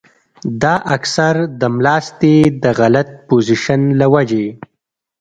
دا اکثر د ملاستې د غلط پوزيشن له وجې